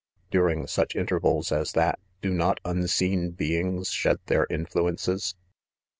I During such intervals as that, d© I not unseen beings shed their influences.!